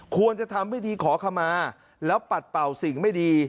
ควรจะทำพิธีขอขมาแล้วปัดเป่าสิ่งไม่ดี